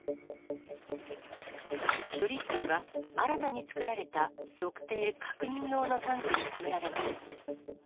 処理水は新たに作られた測定・確認用のタンクにためられます。